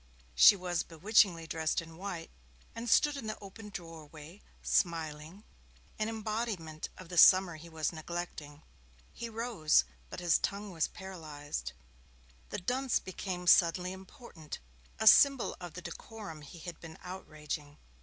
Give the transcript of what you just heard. She was bewitchingly dressed in white, and stood in the open doorway, smiling an embodiment of the summer he was neglecting. He rose, but his tongue was paralysed. The dunce became suddenly important a symbol of the decorum he had been outraging.